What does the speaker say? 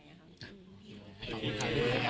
ขอบคุณค่ะ